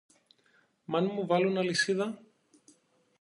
Μ' αν μου βάλουν αλυσίδα;